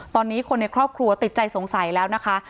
ตอนนี้คนในครอบครัวติดใจสงสัยแล้วนะคะ